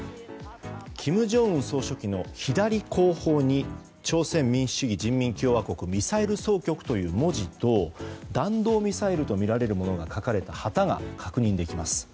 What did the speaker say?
金正恩総書記の左後方に朝鮮民主主義人民共和国ミサイル総局という文字と弾道ミサイルとみられるものが書かれた旗が確認できます。